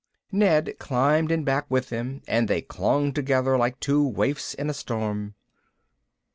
Ned climbed in back with them and they clung together like two waifs in a storm.